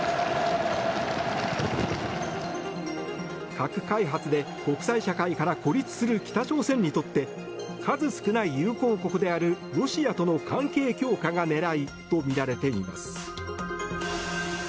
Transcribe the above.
核開発で国際社会から孤立する北朝鮮にとって数少ない友好国であるロシアとの関係強化が狙いとみられています。